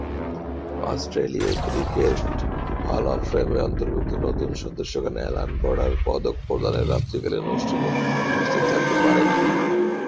অস্ট্রেলীয় cricket hall of ফেমে অন্তর্ভুক্ত নতুন সদস্যগণ অ্যালান বর্ডার পদক প্রদানের রাত্রিকালীন অনুষ্ঠানে উপস্থিত থাকতে পারেন।